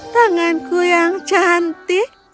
tanganku yang cantik